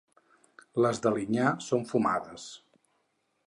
Les d'Alinyà són fumades.